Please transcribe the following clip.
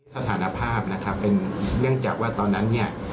สถานภาพนะครับเป็นเนื่องจากว่าตอนนั้นเนี่ย